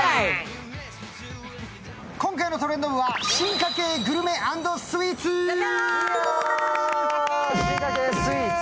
今回の「トレンド部」は進化系グルメ＆スイーツ。